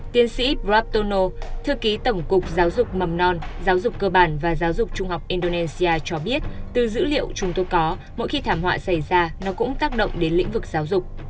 tiến sĩ praptono thư ký tổng cục giáo dục mầm non giáo dục cơ bản và giáo dục trung học indonesia cho biết từ dữ liệu chúng tôi có mỗi khi thảm họa xảy ra nó cũng tác động đến lĩnh vực giáo dục